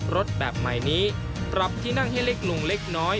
รถแบบใหม่นี้ปรับที่นั่งให้เล็กลงเล็กน้อย